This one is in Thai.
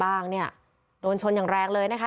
ร่างเนี่ยโดนชนอย่างแรงเลยนะคะ